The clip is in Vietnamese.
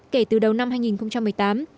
kể từ đầu năm hai nghìn một mươi tám